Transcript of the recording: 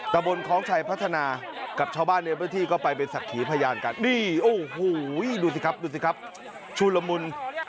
ตะบนคล้องชัยพัฒนากับชาวบ้านในพื้นที่ก็ไปเป็นศักดิ์ขีพยานกันนี่โอ้โหดูสิครับดูสิครับชุลมุน